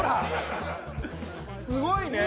すごいね！